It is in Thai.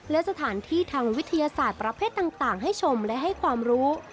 และสถานที่ทางวิทยาศาสตร์ประเภทต่างให้ชมและให้ความรู้